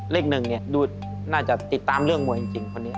เลขหนึ่งเนี่ยดูน่าจะติดตามเรื่องมวยจริงคนนี้